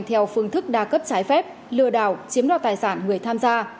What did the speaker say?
theo phương thức đa cấp trái phép lừa đảo chiếm đoạt tài sản người tham gia